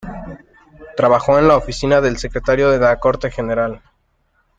Trabajó en la oficina del secretario de la corte general.